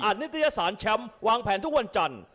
นิตยสารแชมป์วางแผนทุกวันจันทร์